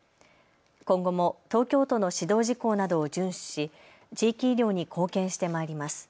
今後も東京都の指導事項などを順守し地域医療に貢献して参ります。